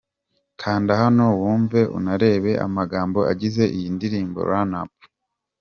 Kanda hano wumve unarebe amagambo agize iyi ndirimbo 'Run Up' .